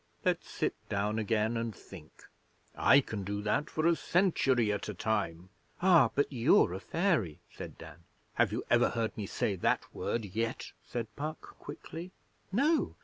Let's sit down again and think. I can do that for a century at a time.' 'Ah, but you're a fairy,' said Dan. 'Have you ever heard me say that word yet?' said Puck quickly. 'No.